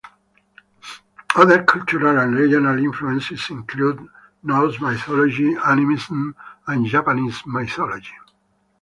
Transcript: Other cultural and regional influences include Norse mythology, animism, and Japanese mythology.